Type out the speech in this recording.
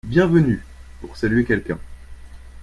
Bienvenue (pour saluer quelqu'un)